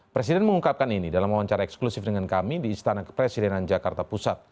presiden mengungkapkan ini dalam wawancara eksklusif dengan kami di istana kepresidenan jakarta pusat